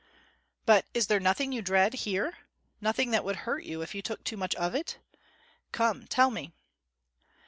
"But is there nothing you dread, here nothing that would hurt you if you took too much of it? Come, tell me."